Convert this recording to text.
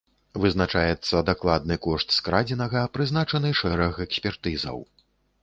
Вызначаецца дакладны кошт скрадзенага, прызначаны шэраг экспертызаў.